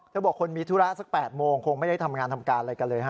บอกคนมีธุระสัก๘โมงคงไม่ได้ทำงานทำการอะไรกันเลยฮะ